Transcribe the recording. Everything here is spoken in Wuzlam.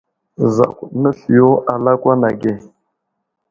Zakw nesliyo a lakwan age.